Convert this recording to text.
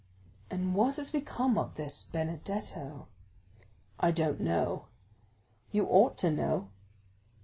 "And what is become of this Benedetto?" "I don't know." "You ought to know."